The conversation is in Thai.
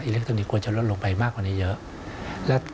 อิเล็กทรอนิกส์กว่าจะลดลงไปมากกว่านี้เยอะ